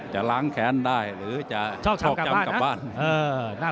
จะล้างแค้นได้หรือจะชอบจำกลับบ้าน